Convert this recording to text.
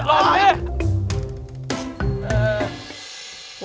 ลบดิ